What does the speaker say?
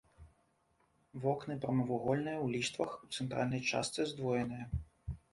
Вокны прамавугольныя ў ліштвах, у цэнтральнай частцы здвоеныя.